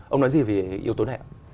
ông nói gì về yếu tố này ạ